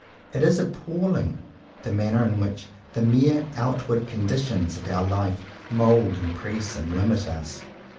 It is appalling, the manner in which the mere outward conditions of our life mould, impress, and limit us.